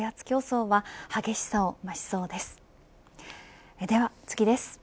競争は激しさを増しそうです。